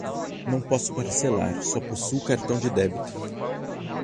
Não posso parcelar, só possuo cartão de débito.